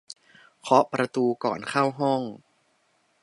เคาะประตูก่อนเข้าห้อง